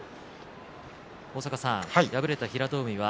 敗れた平戸海です。